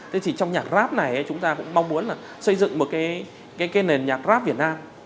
thế thì trong nhạc grab này chúng ta cũng mong muốn là xây dựng một cái nền nhạc grab việt nam